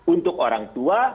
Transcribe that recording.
untuk orang tua